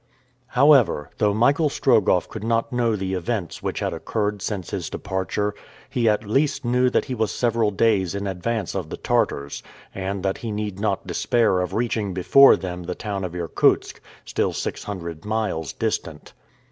However, though Michael Strogoff could not know the events which had occurred since his departure, he at least knew that he was several days in advance of the Tartars, and that he need not despair of reaching before them the town of Irkutsk, still six hundred miles distant.